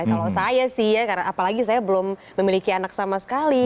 kalau saya sih ya apalagi saya belum memiliki anak sama sekali